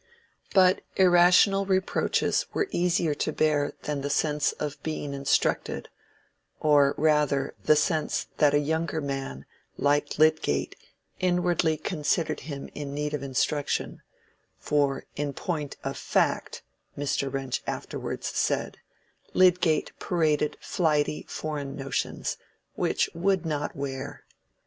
But irrational reproaches were easier to bear than the sense of being instructed, or rather the sense that a younger man, like Lydgate, inwardly considered him in need of instruction, for "in point of fact," Mr. Wrench afterwards said, Lydgate paraded flighty, foreign notions, which would not wear.